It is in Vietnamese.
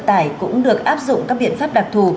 tải cũng được áp dụng các biện pháp đặc thù